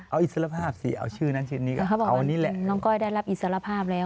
เอาอิสรภาพสิเอาชื่อนั้นชื่อนี้ก็เขาบอกเอานี่แหละน้องก้อยได้รับอิสรภาพแล้ว